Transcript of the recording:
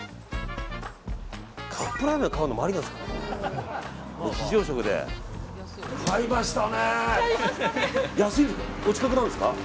カップラーメン買うのもありなんですかね。